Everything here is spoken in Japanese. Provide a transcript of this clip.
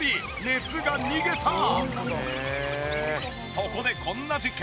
そこでこんな実験。